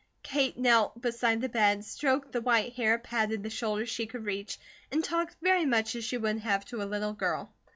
Kate knelt beside the bed, stroked the white hair, patted the shoulder she could reach, and talked very much as she would have to a little girl.